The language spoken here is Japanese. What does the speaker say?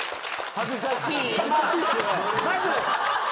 恥ずかしいな。